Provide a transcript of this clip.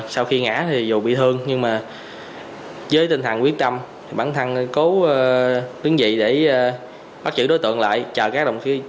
sau khi ngã thì dù bị thương nhưng với tinh thần quyết tâm bản thân cố đứng dị để bắt giữ đối tượng lại chờ các đồng chí